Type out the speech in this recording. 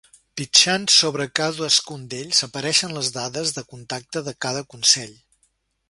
Pitjant sobre cadascun d’ells apareixen les dades de contacte de cada consell.